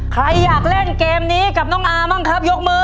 ใครอยากเล่นเกมนี้กับน้องอาบ้างครับยกมือ